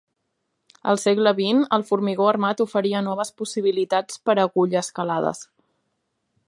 Al segle XX, el formigó armat oferia noves possibilitats per a agulles calades.